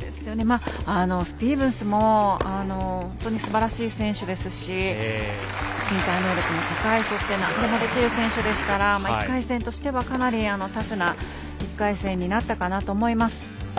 スティーブンスも本当にすばらしい選手ですし身体能力の高いなんでもできる選手ですから１回戦としてはかなりタフな１回戦になったかなと思います。